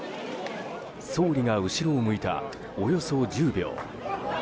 総理が後ろを向いたおよそ１０秒。